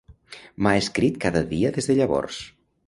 M'ha escrit cada dia des de llavors.